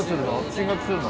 進学するの？